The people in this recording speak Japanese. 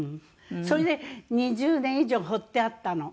それで２０年以上放ってあったの。